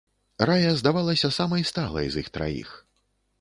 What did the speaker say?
Рая здавалася самай сталай з іх траіх.